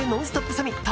サミット。